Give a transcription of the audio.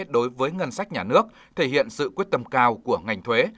đối với ngân sách nhà nước thể hiện sự quyết tâm cao của ngành thuế